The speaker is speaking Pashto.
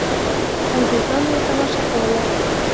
انګرېزانو یې تماشه کوله.